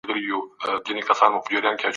مغولو په شمال او منځني ختیځ کي واکمني درلوده.